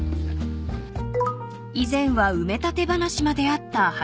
［以前は埋め立て話まであった］